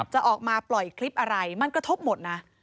จะออกมาปล่อยคลิปอะไรมันกระทบหมดนะ